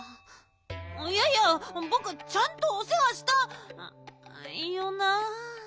いやいやぼくちゃんとおせわした！よな？